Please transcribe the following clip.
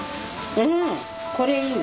うんこれいいの？